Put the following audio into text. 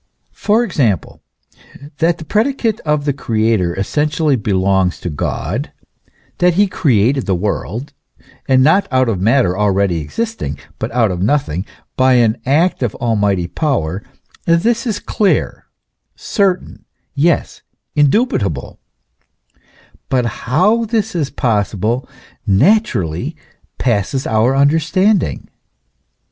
For example, that the predicate of the Creator essentially belongs to God, that he created the world, and not out of matter already existing, but out of nothing, by an act of almighty power, this is clear, certain yes, indubitable; but how this is possible naturally passes our understanding.